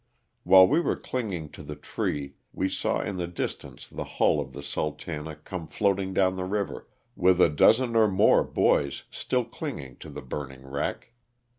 While we were clinging to the tree we saw in the distance the hull of the Sultana" come floating down the river, with a dozen or more boys still clinging to the burning wreck.